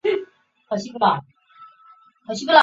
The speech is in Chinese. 本届赛事为首届世界接力赛。